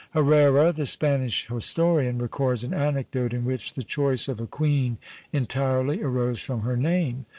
Herrera, the Spanish historian, records an anecdote in which the choice of a queen entirely arose from her name.